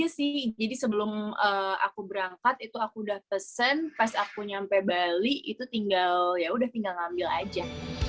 ya udah sih jadi sebelum aku berangkat itu aku udah pesen pas aku nyampe bali itu yaudah tinggal ngambil aja